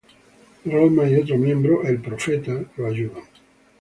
Rodman y otro miembro, el Profeta, lo ayudan.